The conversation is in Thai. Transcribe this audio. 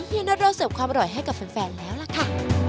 นัทเราเสิร์ฟความอร่อยให้กับแฟนแล้วล่ะค่ะ